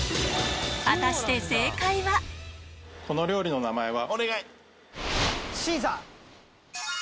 果たしてこの料理の名前は。